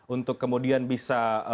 untuk kemudian bisa